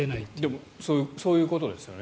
でもそういうことですよね。